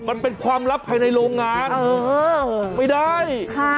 มันเป็นความลับภายในโรงงานเออไม่ได้ค่ะ